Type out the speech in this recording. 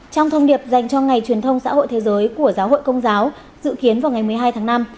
trong thông điệp dành cho ngày truyền thông xã hội thế giới của giáo hội công giáo dự kiến vào ngày một mươi hai tháng năm